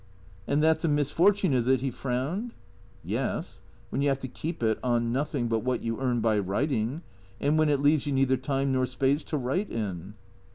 " And that 's a misfortune, is it ?" He frowned. " Yes, when you have to keep it — on nothing but what you earn by writing, and when it leaves you neither time nor space to write in."